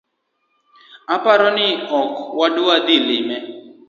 Oparo ni ok wadwa dhi lime